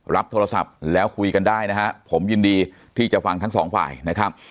รับโทรศัพท์แล้วคุยกันได้นะฮะผมยินดีที่จะฟังทั้งสองฝ่ายนะครับ